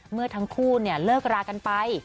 เมื่อทั้งคู่เลิกรากันไป